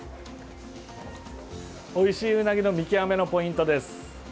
おいしいうなぎの見極めのポイントです。